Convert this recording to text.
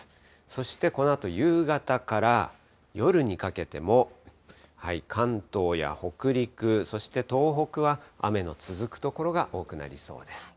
そしてこのあと夕方から夜にかけても、関東や北陸、そして東北は雨の続く所が多くなりそうです。